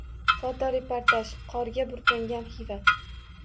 Fotoreportaj: Qorga burkangan Xiva